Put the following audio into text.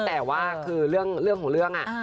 แต่ว่าคือเรื่องของเรื่อง